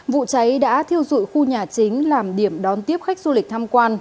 vụ cháy đã thiêu dụi khu nhà chính làm điểm đón tiếp khách du lịch tham quan